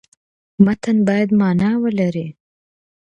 متن باید معنا ولري.